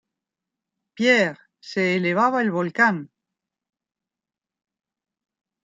Pierre se elevaba el volcán.